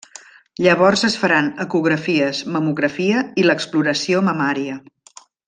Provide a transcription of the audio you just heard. Llavors es faran ecografies, mamografia i l'exploració mamària.